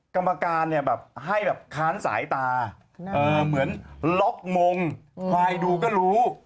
กรรมการเนี่ยแบบให้แบบค้านสายตาเหมือนล็อกมงควายดูก็รู้